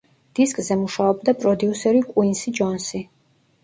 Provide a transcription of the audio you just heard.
დისკზე მუშაობდა პროდიუსერი კუინსი ჯონსი.